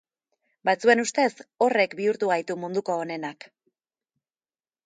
Batzuen ustez horrek bihurtu gaitu munduko onenak.